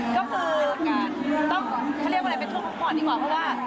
ก็คือต้องเขาเรียกว่าอะไรเป็นทุกพรุ่งดีกว่า